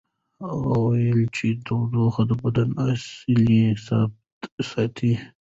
هغه وویل چې تودوخه د بدن اصلي ثبات ساتي.